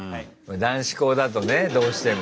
男子校だとねどうしても。